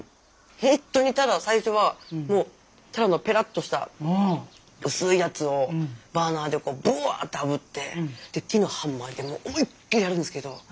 ほんとにただ最初はただのペラッとした薄いやつをバーナーでこうブワーってあぶって木のハンマーで思いっきりやるんですけど。